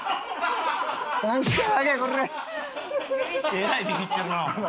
えらいビビってるなお前。